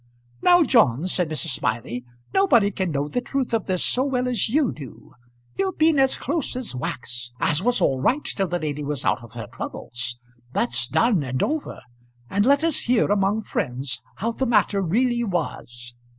"Now, John," said Mrs. Smiley, "nobody can know the truth of this so well as you do. You've been as close as wax, as was all right till the lady was out of her troubles. That's done and over, and let us hear among friends how the matter really was."